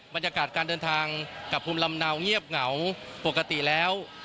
บรรยากาศการเดินทางกับภูมิลำเนาเงียบเหงาปกติแล้ว